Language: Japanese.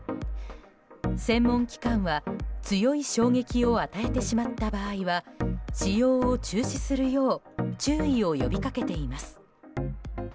専門機関は強い衝撃を与えてしまった場合は使用を中止するよう注意を呼びかけています。